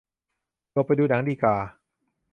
หลบไปดูหนังดีก่า